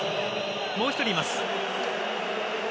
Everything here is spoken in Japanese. もう１人います。